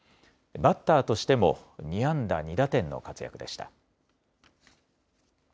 バッターとしても２安打２打点の活躍でした。